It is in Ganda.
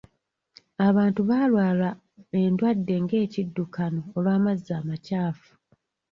Abantu baalwala endwadde nga ekiddukano olw'amazzi amakyafu.